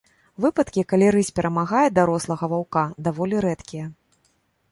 Выпадкі, калі рысь перамагае дарослага ваўка, даволі рэдкія.